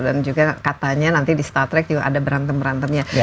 dan juga katanya nanti di star trek juga ada berantem berantemnya